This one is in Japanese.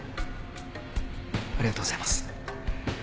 ありがとうございます。